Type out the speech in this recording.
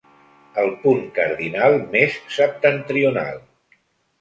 El punt cardinal més septentrional.